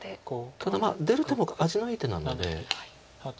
ただ出る手も味のいい手なので。